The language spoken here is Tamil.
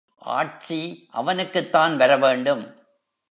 ஆட்சி அவனுக்குத் தான் வரவேண்டும்.